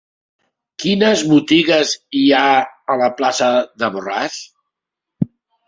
Quines botigues hi ha a la plaça de Borràs?